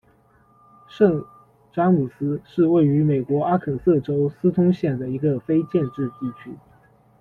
圣詹姆斯是位于美国阿肯色州斯通县的一个非建制地区。